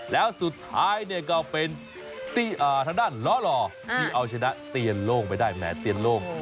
แล้วสุดท้ายเนี่ยก็เป็นทางด้านล้อหล่อที่เอาชนะเตียนโล่งไปได้แหมเตียนโล่ง